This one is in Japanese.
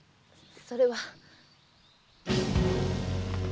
それは。